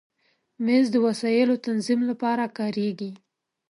مېز د وسایلو تنظیم لپاره کارېږي.